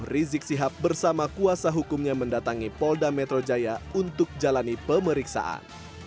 rizik sihab bersama kuasa hukumnya mendatangi polda metro jaya untuk jalani pemeriksaan